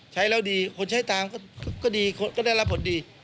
ใช้แล้วดีคนใช้ตามก็ดีคนก็ได้รับผลดี